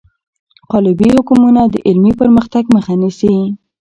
قالبي حکمونه د علمي پرمختګ مخه نیسي.